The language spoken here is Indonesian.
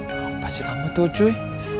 apa sih kamu tuh cuy